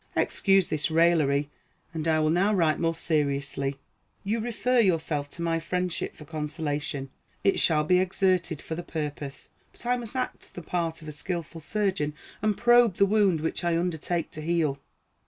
Excuse this raillery, and I will now write more seriously. You refer yourself to my friendship for consolation. It shall be exerted for the purpose. But I must act the part of a skilful surgeon, and probe the wound which I undertake to heal.